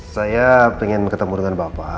saya ingin ketemu dengan bapak